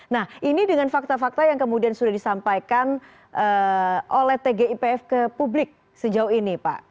nah ini dengan fakta fakta yang kemudian sudah disampaikan oleh tgipf ke publik sejauh ini pak